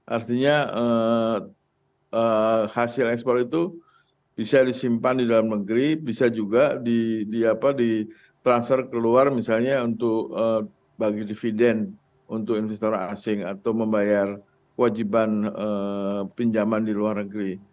artinya hasil ekspor itu bisa disimpan di dalam negeri bisa juga di transfer ke luar misalnya untuk bagi dividen untuk investor asing atau membayar kewajiban pinjaman di luar negeri